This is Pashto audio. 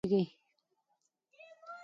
ایا له حیواناتو ویریږئ؟